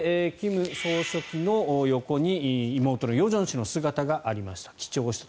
そして金総書記の横に妹の与正氏の姿がありました。